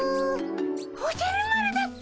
おじゃる丸だっピ。